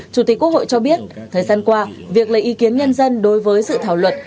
chủ tịch quốc hội cho biết thời gian qua việc lấy ý kiến nhân dân đối với dự thảo luật